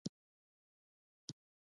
د شولو پټي تل له اوبو ډنډ وي.